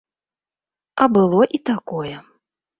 А было і такое.